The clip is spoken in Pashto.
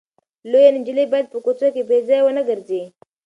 لويه نجلۍ باید په کوڅو کې بې ځایه ونه ګرځي.